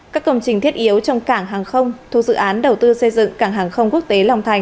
các công trình thiết yếu trong cảng hàng không thuộc dự án đầu tư xây dựng cảng hàng không quốc tế long thành